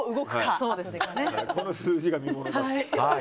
この数字が見ものだと。